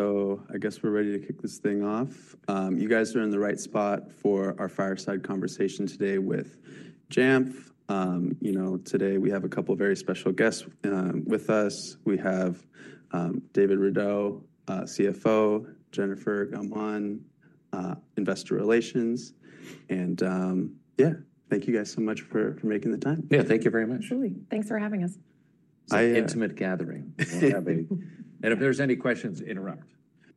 I guess we're ready to kick this thing off. You guys are in the right spot for our fireside conversation today with Jamf. You know, today we have a couple of very special guests with us. We have David Rudow, CFO, Jennifer Gaumond, Investor Relations. And yeah, thank you guys so much for making the time. Yeah, thank you very much. Absolutely. Thanks for having us. An intimate gathering. If there's any questions, interrupt.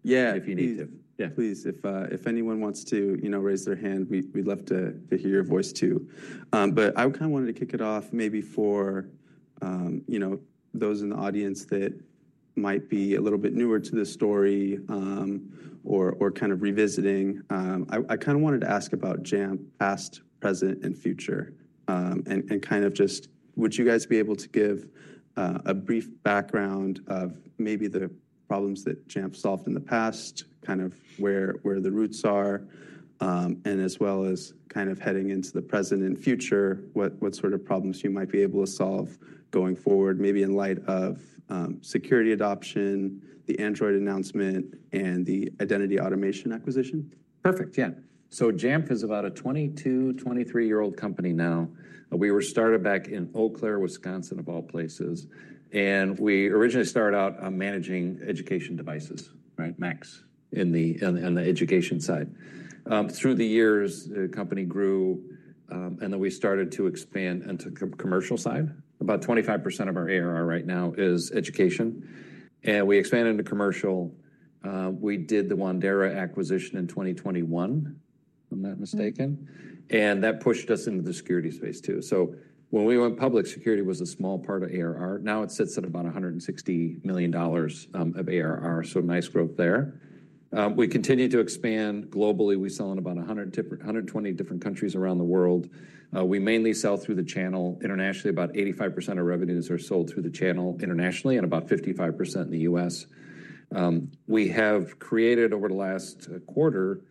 Yeah. If you need to. Yeah, please. If anyone wants to, you know, raise their hand, we'd love to hear your voice too. I kind of wanted to kick it off maybe for, you know, those in the audience that might be a little bit newer to the story or kind of revisiting. I kind of wanted to ask about Jamf past, present, and future. Would you guys be able to give a brief background of maybe the problems that Jamf solved in the past, kind of where the roots are? As well as heading into the present and future, what sort of problems you might be able to solve going forward, maybe in light of security adoption, the Android announcement, and the Identity Automation acquisition? Perfect. Yeah. Jamf is about a 22, 23-year-old company now. We were started back in Eau Claire, Wisconsin, of all places. We originally started out managing education devices, right? Macs in the education side. Through the years, the company grew, and then we started to expand into the commercial side. About 25% of our ARR right now is education. We expanded into commercial. We did the Wandera acquisition in 2021, if I'm not mistaken. That pushed us into the security space too. When we went public, security was a small part of ARR. Now it sits at about $160 million of ARR. Nice growth there. We continue to expand globally. We sell in about 120 different countries around the world. We mainly sell through the channel. Internationally, about 85% of revenues are sold through the channel internationally and about 55% in the U.S. We have created over the last quarter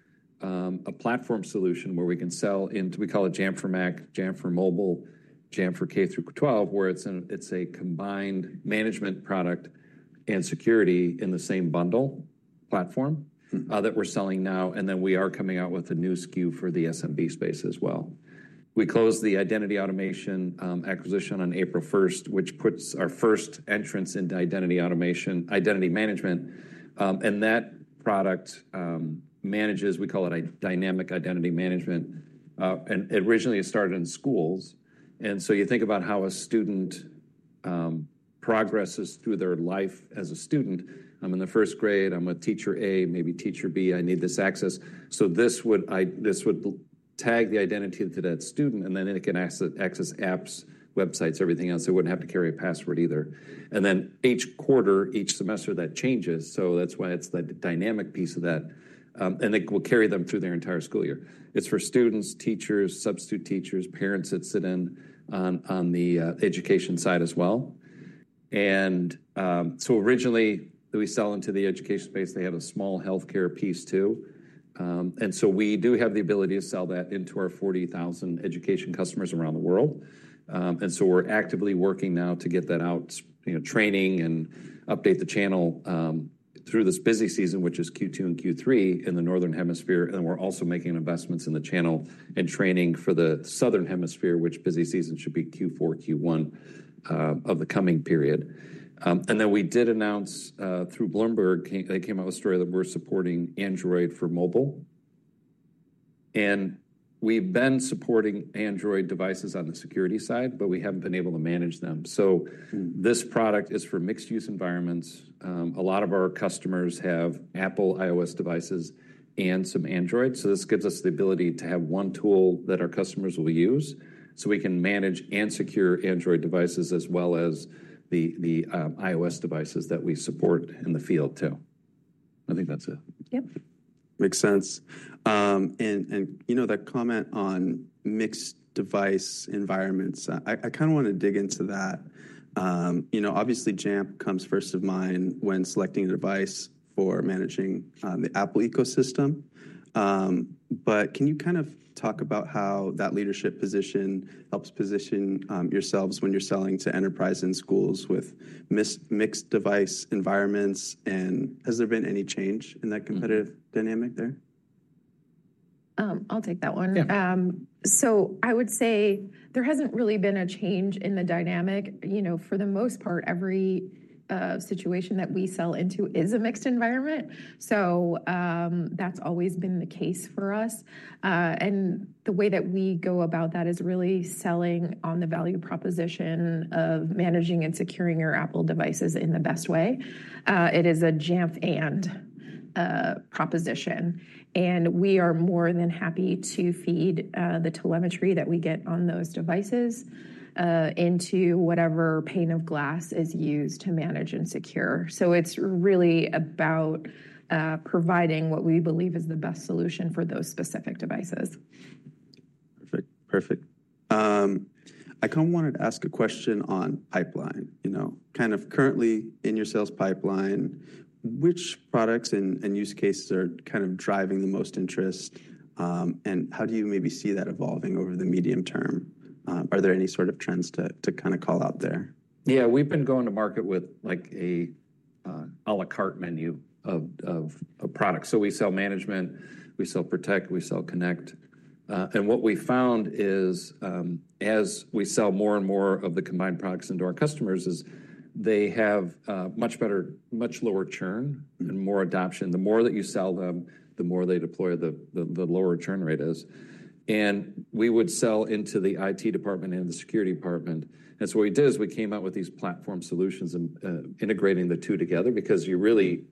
a platform solution where we can sell into, we call it Jamf for Mac, Jamf for Mobile, Jamf for K-12, where it's a combined management product and security in the same bundle platform that we're selling now. We are coming out with a new SKU for the SMB space as well. We closed the Identity Automation acquisition on April 1, which puts our first entrance into identity management. That product manages, we call it dynamic identity management. Originally it started in schools. You think about how a student progresses through their life as a student. I'm in the first grade. I'm a teacher A, maybe teacher B. I need this access. This would tag the identity to that student, and then it can access apps, websites, everything else. It would not have to carry a password either. Each quarter, each semester, that changes. That is why it is the dynamic piece of that. It will carry them through their entire school year. It is for students, teachers, substitute teachers, parents that sit in on the education side as well. Originally, we sell into the education space. They had a small healthcare piece too. We do have the ability to sell that into our 40,000 education customers around the world. We are actively working now to get that out, training, and update the channel through this busy season, which is Q2 and Q3 in the northern hemisphere. We are also making investments in the channel and training for the southern hemisphere, which busy season should be Q4, Q1 of the coming period. We did announce through Bloomberg, they came out with a story that we're supporting Android for mobile. We've been supporting Android devices on the security side, but we haven't been able to manage them. This product is for mixed-use environments. A lot of our customers have Apple iOS devices and some Android. This gives us the ability to have one tool that our customers will use. We can manage and secure Android devices as well as the iOS devices that we support in the field too. I think that's it. Yep. Makes sense. You know, that comment on mixed device environments, I kind of want to dig into that. You know, obviously, Jamf comes first of mind when selecting a device for managing the Apple ecosystem. Can you kind of talk about how that leadership position helps position yourselves when you're selling to enterprise and schools with mixed device environments? Has there been any change in that competitive dynamic there? I'll take that one. I would say there hasn't really been a change in the dynamic. You know, for the most part, every situation that we sell into is a mixed environment. That's always been the case for us. The way that we go about that is really selling on the value proposition of managing and securing your Apple devices in the best way. It is a Jamf proposition. We are more than happy to feed the telemetry that we get on those devices into whatever pane of glass is used to manage and secure. It's really about providing what we believe is the best solution for those specific devices. Perfect. I kind of wanted to ask a question on pipeline. You know, kind of currently in your sales pipeline, which products and use cases are kind of driving the most interest? How do you maybe see that evolving over the medium term? Are there any sort of trends to kind of call out there? Yeah, we've been going to market with like an à la carte menu of products. We sell management, we sell Protect, we sell Connect. What we found is as we sell more and more of the combined products into our customers, they have much better, much lower churn and more adoption. The more that you sell them, the more they deploy, the lower churn rate is. We would sell into the IT department and the security department. What we did is we came out with these platform solutions and integrating the two together because you really,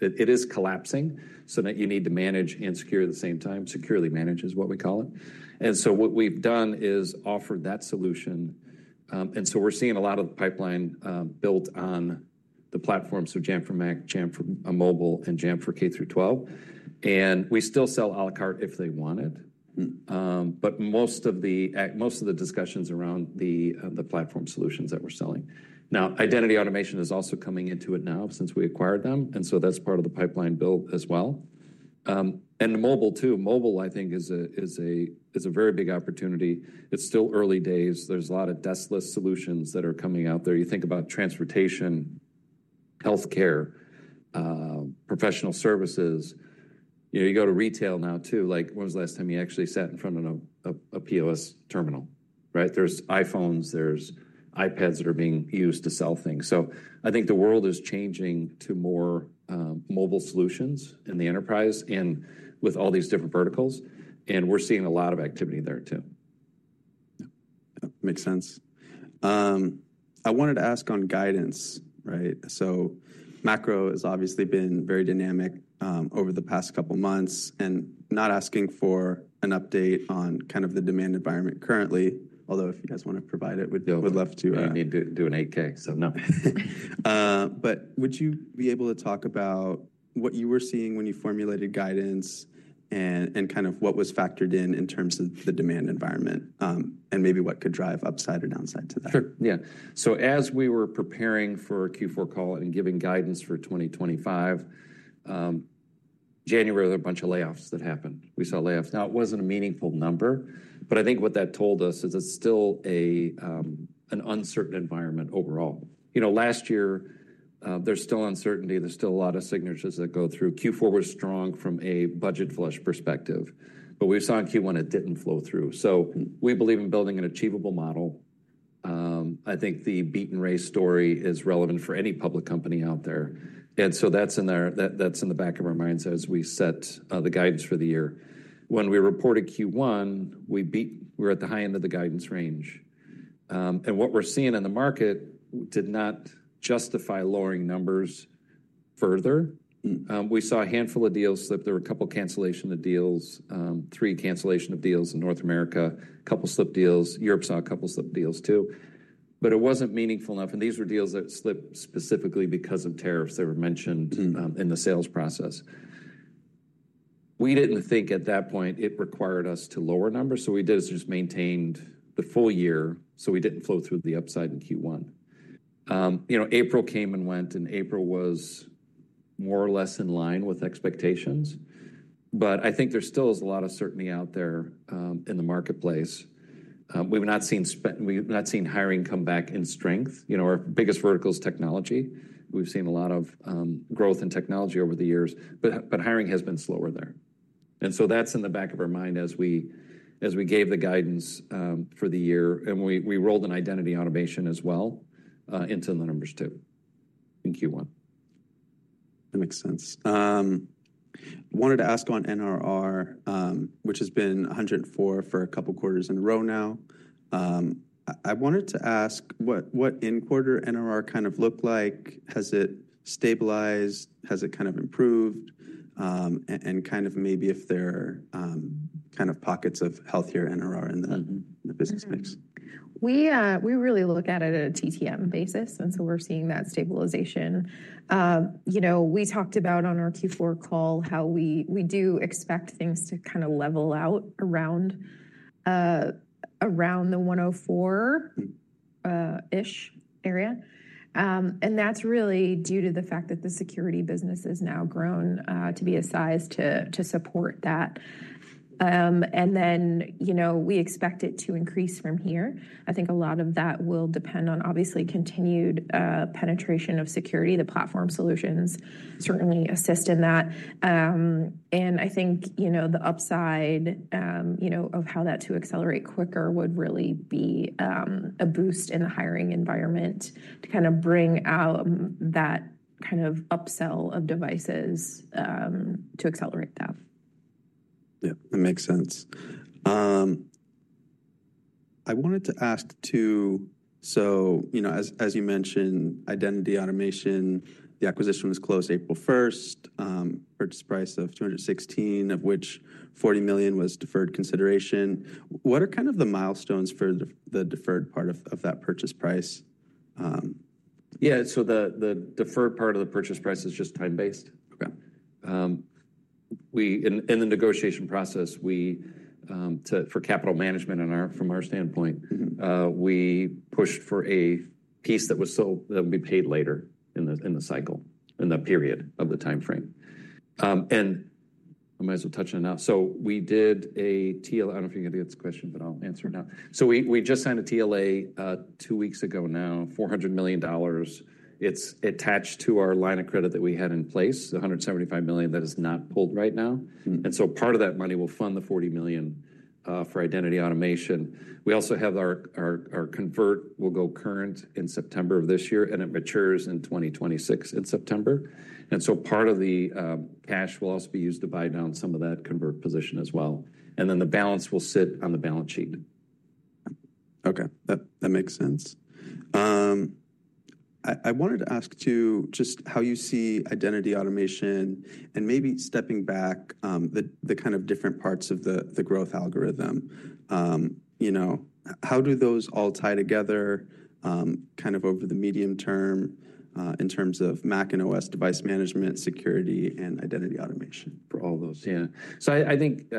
it is collapsing so that you need to manage and secure at the same time. Securely manage is what we call it. What we've done is offered that solution. We're seeing a lot of the pipeline built on the platforms of Jamf for Mac, Jamf for Mobile, and Jamf for K-12. We still sell à la carte if they want it. Most of the discussions are around the platform solutions that we're selling. Now, Identity Automation is also coming into it now since we acquired them. That's part of the pipeline build as well. The mobile too. Mobile, I think, is a very big opportunity. It's still early days. There's a lot of deskless solutions that are coming out there. You think about transportation, healthcare, professional services. You go to retail now too. Like, when was the last time you actually sat in front of a POS terminal, right? There's iPhones, there's iPads that are being used to sell things. I think the world is changing to more mobile solutions in the enterprise and with all these different verticals. And we're seeing a lot of activity there too. Makes sense. I wanted to ask on guidance, right? Macro has obviously been very dynamic over the past couple of months. Not asking for an update on kind of the demand environment currently, although if you guys want to provide it, we'd love to. You need to do an 8-K. So no. Would you be able to talk about what you were seeing when you formulated guidance and kind of what was factored in in terms of the demand environment and maybe what could drive upside or downside to that? Sure. Yeah. As we were preparing for a Q4 call and giving guidance for 2025, January, there were a bunch of layoffs that happened. We saw layoffs. Now, it was not a meaningful number, but I think what that told us is it is still an uncertain environment overall. You know, last year, there is still uncertainty. There is still a lot of signatures that go through. Q4 was strong from a budget flush perspective. We saw in Q1, it did not flow through. We believe in building an achievable model. I think the beat-and-raise story is relevant for any public company out there. That is in the back of our minds as we set the guidance for the year. When we reported Q1, we were at the high end of the guidance range. What we are seeing in the market did not justify lowering numbers further. We saw a handful of deals slip. There were a couple of cancellation of deals, three cancellation of deals in North America, a couple of slip deals. Europe saw a couple of slip deals too. It was not meaningful enough. These were deals that slipped specifically because of tariffs that were mentioned in the sales process. We did not think at that point it required us to lower numbers. What we did is just maintained the full year so we did not flow through the upside in Q1. You know, April came and went, and April was more or less in line with expectations. I think there still is a lot of certainty out there in the marketplace. We have not seen hiring come back in strength. You know, our biggest vertical is technology. We have seen a lot of growth in technology over the years, but hiring has been slower there. That's in the back of our mind as we gave the guidance for the year. We rolled in Identity Automation as well into the numbers too in Q1. That makes sense. I wanted to ask on NRR, which has been 104% for a couple of quarters in a row now. I wanted to ask what in quarter NRR kind of looked like. Has it stabilized? Has it kind of improved? And kind of maybe if there are kind of pockets of healthier NRR in the business mix. We really look at it at a TTM basis. You know, we're seeing that stabilization. You know, we talked about on our Q4 call how we do expect things to kind of level out around the 104% area. That's really due to the fact that the security business has now grown to be a size to support that. You know, we expect it to increase from here. I think a lot of that will depend on, obviously, continued penetration of security. The platform solutions certainly assist in that. I think, you know, the upside, you know, of how that could accelerate quicker would really be a boost in the hiring environment to kind of bring out that kind of upsell of devices to accelerate that. Yeah, that makes sense. I wanted to ask too, so you know, as you mentioned, Identity Automation, the acquisition was closed April 1, purchase price of $216 million, of which $40 million was deferred consideration. What are kind of the milestones for the deferred part of that purchase price? Yeah, so the deferred part of the purchase price is just time-based. Okay. In the negotiation process, for capital management, from our standpoint, we pushed for a piece that would be paid later in the cycle, in the period of the time frame. I might as well touch on it now. We did a TLA. I do not know if you are going to get this question, but I will answer it now. We just signed a TLA two weeks ago now, $400 million. It is attached to our line of credit that we had in place, the $175 million that is not pulled right now. Part of that money will fund the $40 million for Identity Automation. We also have our convert will go current in September of this year, and it matures in 2026 in September. Part of the cash will also be used to buy down some of that convert position as well. The balance will sit on the balance sheet. Okay. That makes sense. I wanted to ask too just how you see Identity Automation and maybe stepping back the kind of different parts of the growth algorithm. You know, how do those all tie together kind of over the medium term in terms of Mac and OS device management, security, and Identity Automation? For all those, yeah. I think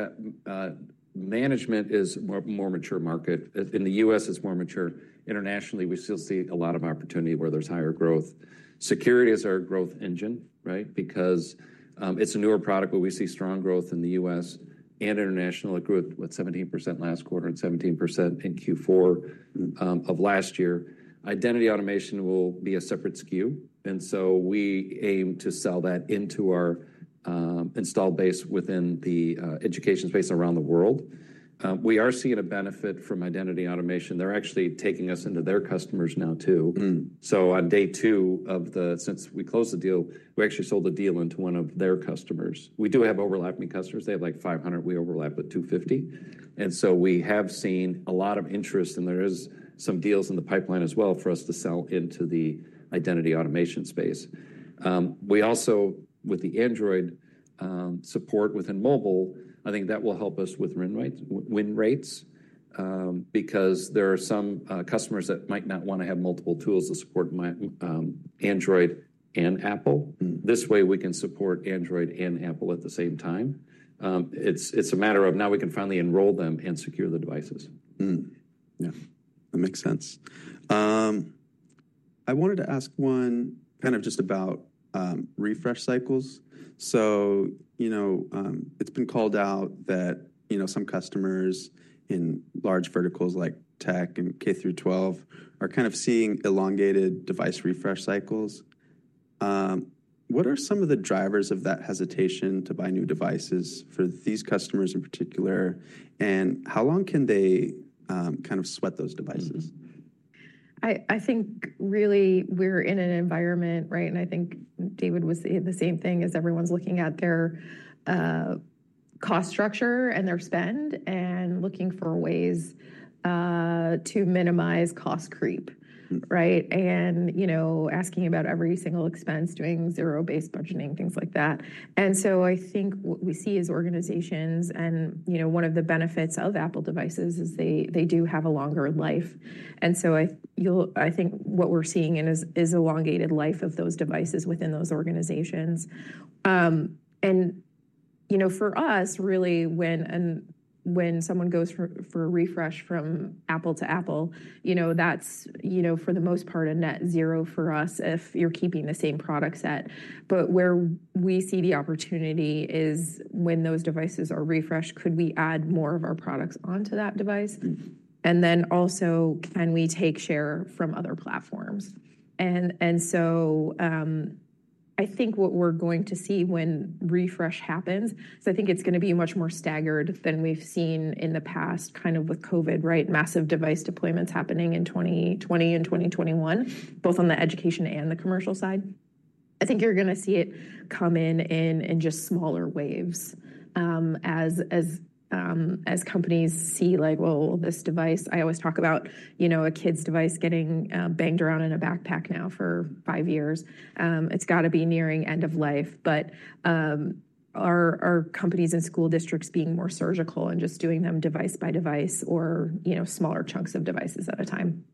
management is a more mature market. In the U.S., it's more mature. Internationally, we still see a lot of opportunity where there's higher growth. Security is our growth engine, right? Because it's a newer product, but we see strong growth in the U.S. and international growth with 17% last quarter and 17% in Q4 of last year. Identity Automation will be a separate SKU. We aim to sell that into our install base within the education space around the world. We are seeing a benefit from Identity Automation. They're actually taking us into their customers now too. On day two since we closed the deal, we actually sold the deal into one of their customers. We do have overlapping customers. They have like 500. We overlap with 250. We have seen a lot of interest, and there are some deals in the pipeline as well for us to sell into the identity automation space. We also, with the Android support within mobile, I think that will help us with win rates because there are some customers that might not want to have multiple tools to support Android and Apple. This way, we can support Android and Apple at the same time. It's a matter of now we can finally enroll them and secure the devices. Yeah. That makes sense. I wanted to ask one kind of just about refresh cycles. You know, it's been called out that, you know, some customers in large verticals like tech and K through 12 are kind of seeing elongated device refresh cycles. What are some of the drivers of that hesitation to buy new devices for these customers in particular? And how long can they kind of sweat those devices? I think really we're in an environment, right? I think David was saying the same thing as everyone's looking at their cost structure and their spend and looking for ways to minimize cost creep, right? You know, asking about every single expense, doing zero-based budgeting, things like that. I think what we see as organizations and, you know, one of the benefits of Apple devices is they do have a longer life. I think what we're seeing is elongated life of those devices within those organizations. You know, for us, really, when someone goes for a refresh from Apple to Apple, you know, that's, you know, for the most part a net zero for us if you're keeping the same product set. Where we see the opportunity is when those devices are refreshed, could we add more of our products onto that device? Also, can we take share from other platforms? I think what we're going to see when refresh happens, I think it's going to be much more staggered than we've seen in the past, kind of with COVID, right? Massive device deployments happening in 2020 and 2021, both on the education and the commercial side. I think you're going to see it come in in just smaller waves as companies see like, well, this device, I always talk about, you know, a kid's device getting banged around in a backpack now for five years. It's got to be nearing end of life. Are companies and school districts being more surgical and just doing them device by device or, you know, smaller chunks of devices at a time?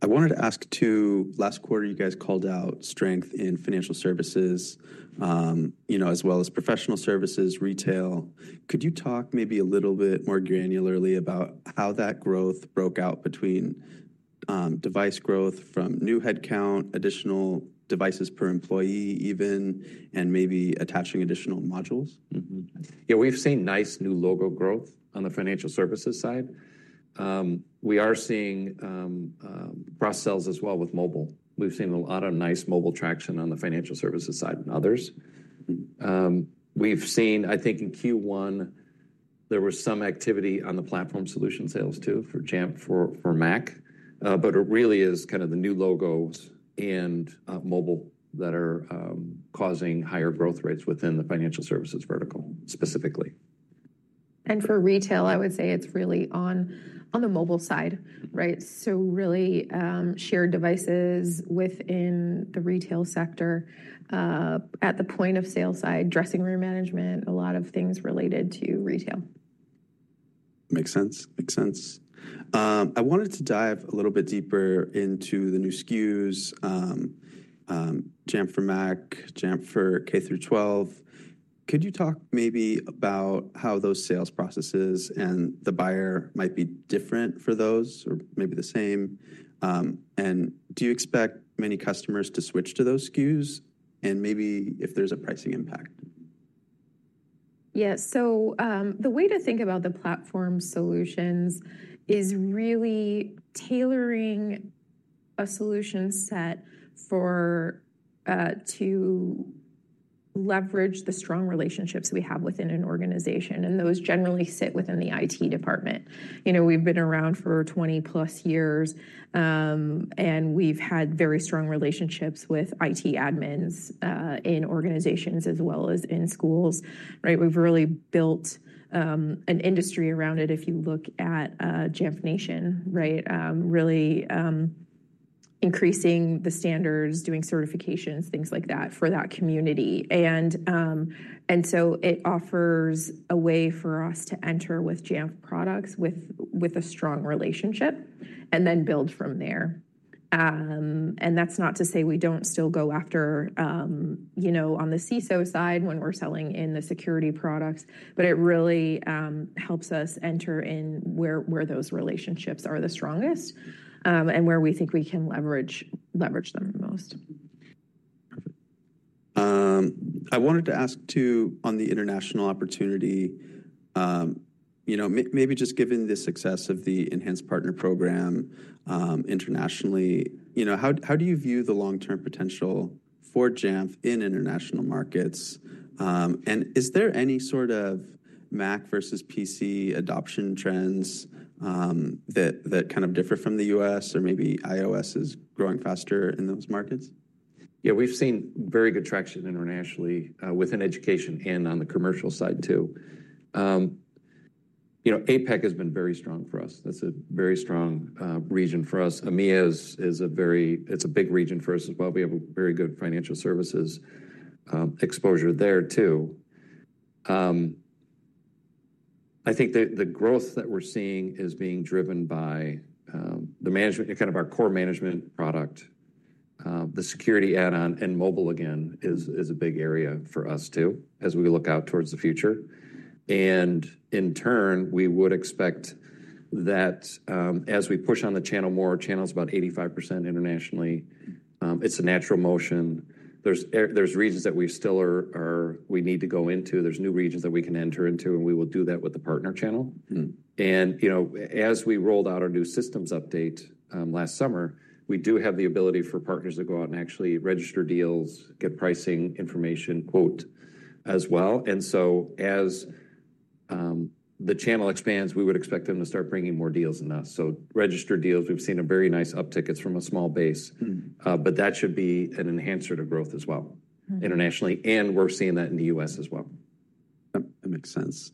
I wanted to ask too, last quarter, you guys called out strength in financial services, you know, as well as professional services, retail. Could you talk maybe a little bit more granularly about how that growth broke out between device growth from new headcount, additional devices per employee even, and maybe attaching additional modules? Yeah, we've seen nice new logo growth on the financial services side. We are seeing cross-sales as well with mobile. We've seen a lot of nice mobile traction on the financial services side and others. I think in Q1, there was some activity on the platform solution sales too for Mac. It really is kind of the new logos and mobile that are causing higher growth rates within the financial services vertical specifically. For retail, I would say it's really on the mobile side, right? So really shared devices within the retail sector at the point of sale side, dressing room management, a lot of things related to retail. Makes sense. Makes sense. I wanted to dive a little bit deeper into the new SKUs, Jamf for Mac, Jamf for K-12. Could you talk maybe about how those sales processes and the buyer might be different for those or maybe the same? Do you expect many customers to switch to those SKUs? Maybe if there's a pricing impact? Yeah. The way to think about the platform solutions is really tailoring a solution set to leverage the strong relationships we have within an organization. Those generally sit within the IT department. You know, we've been around for 20-plus years, and we've had very strong relationships with IT admins in organizations as well as in schools, right? We've really built an industry around it. If you look at Jamf Nation, right, really increasing the standards, doing certifications, things like that for that community. It offers a way for us to enter with Jamf products with a strong relationship and then build from there. That's not to say we don't still go after, you know, on the CISO side when we're selling in the security products, but it really helps us enter in where those relationships are the strongest and where we think we can leverage them the most. Perfect. I wanted to ask too, on the international opportunity, you know, maybe just given the success of the Enhanced Partner Program internationally, you know, how do you view the long-term potential for Jamf in international markets? Is there any sort of Mac versus PC adoption trends that kind of differ from the U.S. or maybe iOS is growing faster in those markets? Yeah, we've seen very good traction internationally within education and on the commercial side too. You know, APAC has been very strong for us. That's a very strong region for us. EMEA is a very, it's a big region for us as well. We have a very good financial services exposure there too. I think the growth that we're seeing is being driven by the management, kind of our core management product. The security add-on and mobile again is a big area for us too as we look out towards the future. In turn, we would expect that as we push on the channel more, channel's about 85% internationally. It's a natural motion. There's reasons that we still are, we need to go into. There's new regions that we can enter into, and we will do that with the partner channel. You know, as we rolled out our new systems update last summer, we do have the ability for partners to go out and actually register deals, get pricing information, quote as well. As the channel expands, we would expect them to start bringing more deals than us. Registered deals, we've seen a very nice uptick. It's from a small base, but that should be an enhancer to growth as well internationally. We're seeing that in the U.S. as well. That makes sense.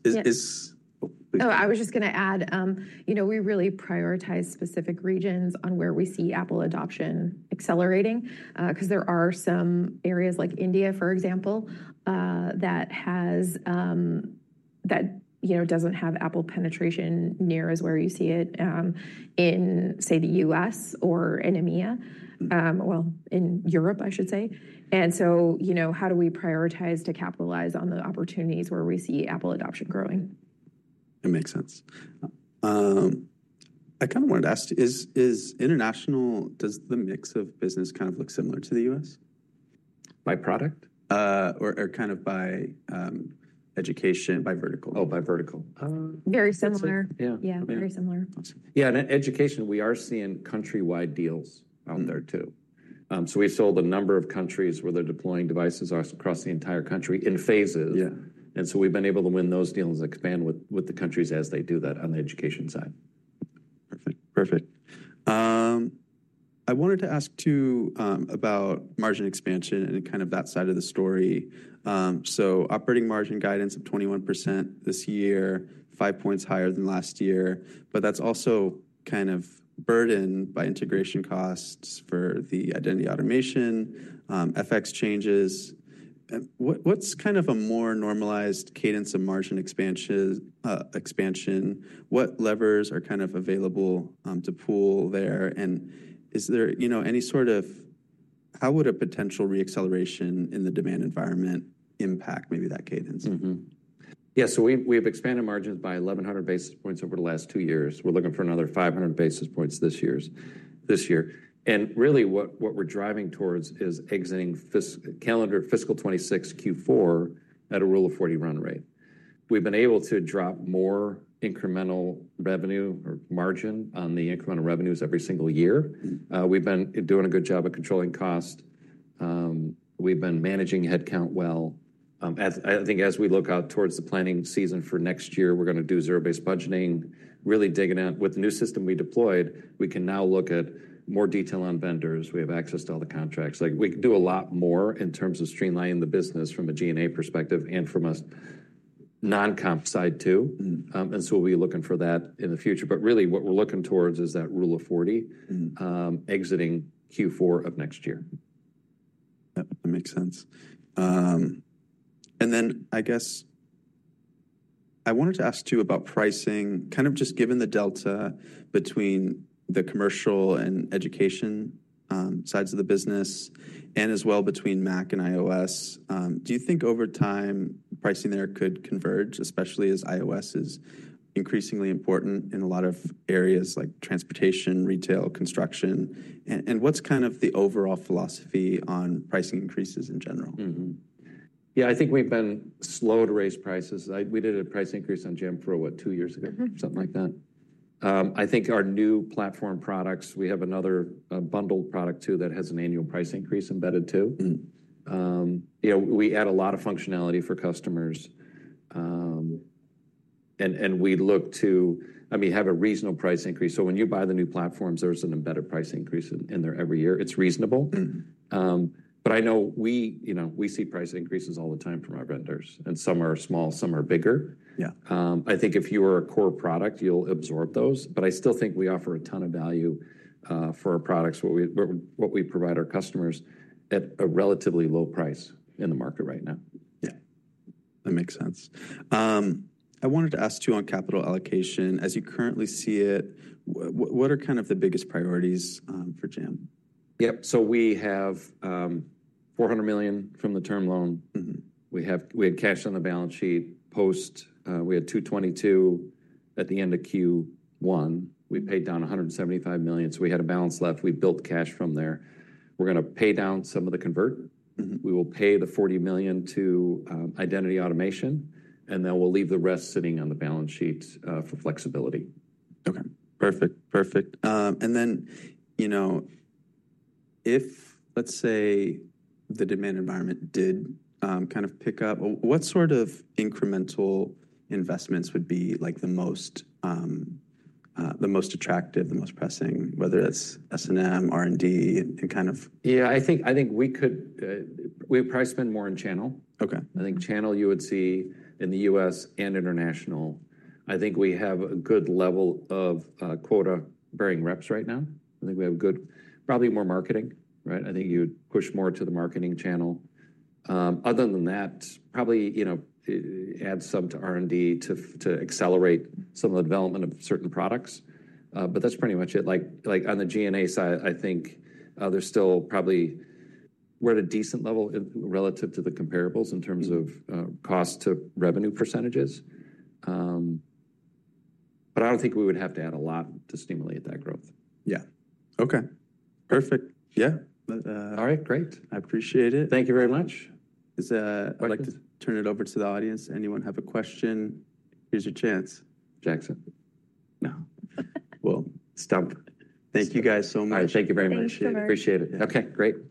Oh, I was just going to add, you know, we really prioritize specific regions on where we see Apple adoption accelerating because there are some areas like India, for example, that has, that you know, does not have Apple penetration near as where you see it in, say, the U.S. or in Europe, I should say. You know, how do we prioritize to capitalize on the opportunities where we see Apple adoption growing? That makes sense. I kind of wanted to ask, is international, does the mix of business kind of look similar to the U.S.? By product? Or kind of by education, by vertical. Oh, by vertical. Very similar. Yeah. Yeah, very similar. Yeah, in education, we are seeing countrywide deals out there too. We have sold a number of countries where they are deploying devices across the entire country in phases. We have been able to win those deals and expand with the countries as they do that on the education side. Perfect. Perfect. I wanted to ask too about margin expansion and kind of that side of the story. Operating margin guidance of 21% this year, five percentage points higher than last year. That is also kind of burdened by integration costs for the Identity Automation, FX changes. What is kind of a more normalized cadence of margin expansion? What levers are kind of available to pull there? Is there, you know, any sort of, how would a potential re-acceleration in the demand environment impact maybe that cadence? Yeah, so we've expanded margins by 1,100 basis points over the last two years. We're looking for another 500 basis points this year. Really what we're driving towards is exiting calendar fiscal 2026 Q4 at a rule of 40 run rate. We've been able to drop more incremental revenue or margin on the incremental revenues every single year. We've been doing a good job of controlling cost. We've been managing headcount well. I think as we look out towards the planning season for next year, we're going to do zero-based budgeting, really digging out with the new system we deployed. We can now look at more detail on vendors. We have access to all the contracts. Like we can do a lot more in terms of streamlining the business from a G&A perspective and from a non-comp side too. We'll be looking for that in the future. Really what we're looking towards is that rule of 40 exiting Q4 of next year. That makes sense. I guess I wanted to ask too about pricing, kind of just given the delta between the commercial and education sides of the business and as well between Mac and iOS. Do you think over time pricing there could converge, especially as iOS is increasingly important in a lot of areas like transportation, retail, construction? What's kind of the overall philosophy on pricing increases in general? Yeah, I think we've been slow to raise prices. We did a price increase on Jamf for what, two years ago, something like that. I think our new platform products, we have another bundled product too that has an annual price increase embedded too. You know, we add a lot of functionality for customers. And we look to, I mean, have a reasonable price increase. When you buy the new platforms, there's an embedded price increase in there every year. It's reasonable. I know we, you know, we see price increases all the time from our vendors. Some are small, some are bigger. I think if you are a core product, you'll absorb those. I still think we offer a ton of value for our products, what we provide our customers at a relatively low price in the market right now. Yeah. That makes sense. I wanted to ask too on capital allocation. As you currently see it, what are kind of the biggest priorities for Jamf? Yep. We have $400 million from the term loan. We have cash on the balance sheet post. We had $222 million at the end of Q1. We paid down $175 million. We had a balance left. We built cash from there. We're going to pay down some of the convert. We will pay the $40 million to Identity Automation. We'll leave the rest sitting on the balance sheet for flexibility. Okay. Perfect. Perfect. And then, you know, if, let's say, the demand environment did kind of pick up, what sort of incremental investments would be like the most attractive, the most pressing, whether that's S&M, R&D, and kind of? Yeah, I think we could, we would probably spend more in channel. I think channel you would see in the U.S. and international. I think we have a good level of quota-bearing reps right now. I think we have good, probably more marketing, right? I think you would push more to the marketing channel. Other than that, probably, you know, add some to R&D to accelerate some of the development of certain products. That is pretty much it. Like on the G&A side, I think there is still probably we are at a decent level relative to the comparables in terms of cost to revenue percentages. I do not think we would have to add a lot to stimulate that growth. Yeah. Okay. Perfect. Yeah. All right. Great. I appreciate it. Thank you very much. I'd like to turn it over to the audience. Anyone have a question? Here's your chance. Jackson. No. Stop. Thank you guys so much. Thank you very much. Appreciate it. Okay. Great.